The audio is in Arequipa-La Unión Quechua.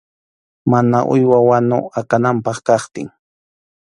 Mana uywa wanu akananpaq kaptin.